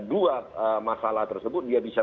dua masalah tersebut dia bisa